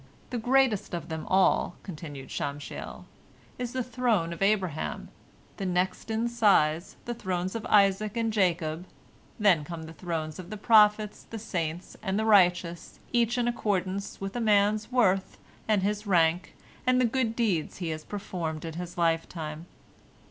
"The greatest of them all," continued Shamshiel, "is the throne of Abraham, the next in size the thrones of Isaac and Jacob, then come the thrones of the prophets, the saints, and the righteous, each in accordance with a man's worth, and his rank, and the good deeds he has performed in his lifetime."